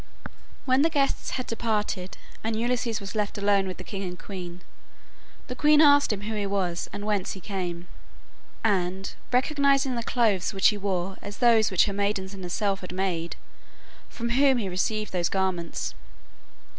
When the guests had departed and Ulysses was left alone with the king and queen, the queen asked him who he was and whence he came, and (recognizing the clothes which he wore as those which her maidens and herself had made) from whom he received those garments.